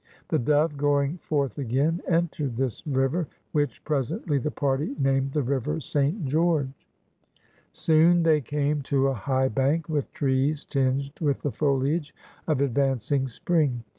The Dove, going forth again, entered this river, which presently the party named the River St. G^rge. MARYLAND 1«7 Soon they came to a high bank with trees tinged with the foliage of advancing spring.